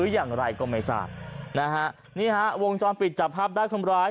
อย่างไรก็ไม่ทราบนะฮะนี่ฮะวงจรปิดจับภาพได้คนร้าย